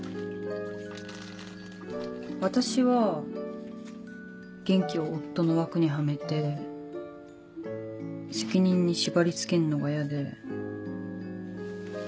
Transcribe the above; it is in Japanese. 私は元気を「夫」の枠にはめて責任に縛り付けるのが嫌で。